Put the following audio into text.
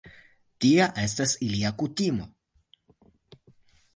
Tia estas ilia kutimo.